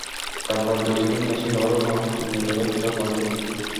তারপর দরজিকে নিয়ে এসে সবার মাপ নিয়ে তাদের পোশাক বানিয়ে দিই।